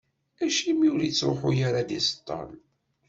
Acimi ur ittruḥu ara ad d-iṣeṭṭel?